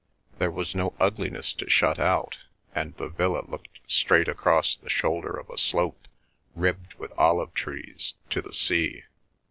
There was no ugliness to shut out, and the villa looked straight across the shoulder of a slope, ribbed with olive trees, to the sea.